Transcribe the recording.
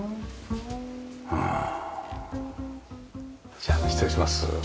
じゃあ失礼します。